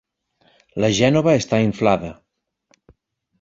La gènova està inflada.